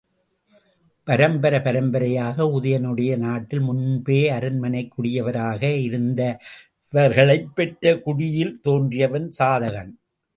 பரம்பரை பரம்பரையாக உதயணனுடைய நாட்டில் முன்பே அரண்மனைக் குயவராக இருந்தவர்களைப் பெற்ற குடியில் தோன்றியவன் சாதகன்.